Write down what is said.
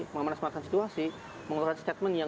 memanas manaskan situasi mengeluarkan statement yang